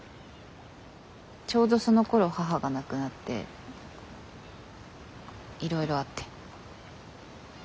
ちょうどそのころ母が亡くなっていろいろあって。